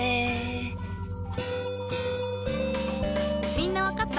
みんなわかった？